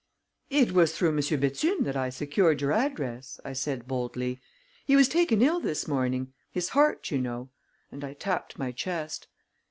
"It was through Monsieur Bethune that I secured your address," I said boldly. "He was taken ill this morning; his heart, you know," and I tapped my chest.